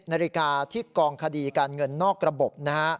นาฬิกาที่กองคดีการเงินนอกระบบนะฮะ